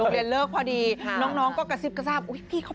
โรงเรียนเลิกพอดีน้องก็กระซิบกระทาน